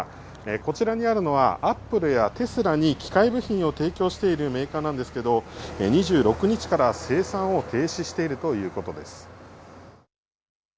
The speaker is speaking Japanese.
こちらにあるのはアップルやテスラに機械部品を提供しているメーカーなんですけど２６日から生産を停止しているということです。